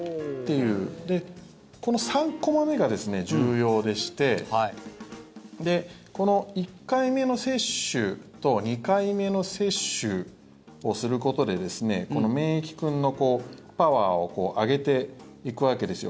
で、この３コマ目が重要でして１回目の接種と２回目の接種をすることでこの免疫君のパワーを上げていくわけですよ。